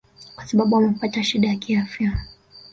kwa sababu amepata shida ya kiafya